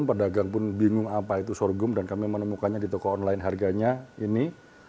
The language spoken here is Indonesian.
pedagang pun bingung apa itu sorghum dan kami menemukannya di toko online harganya ini